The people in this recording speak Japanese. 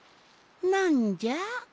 なんじゃ？